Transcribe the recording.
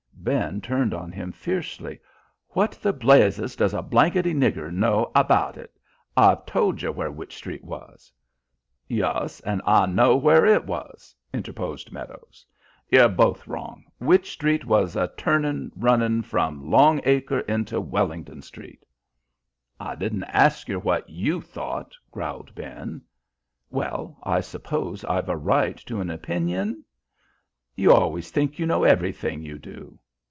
Ben turned on him fiercely. "What the blazes does a blanketty nigger know abaht it? I've told yer where Wych Street was." "Yus, and I know where it was," interposed Meadows. "Yer both wrong. Wych Street was a turning running from Long Acre into Wellington Street." "I didn't ask yer what you thought," growled Ben. "Well, I suppose I've a right to an opinion?" "You always think you know everything, you do."